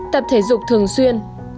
tập thể dục thường xuyên